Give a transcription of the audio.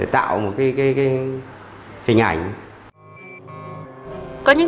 tạo một hình ảnh